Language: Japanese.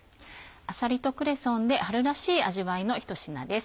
あさりとクレソンで春らしい味わいの一品です。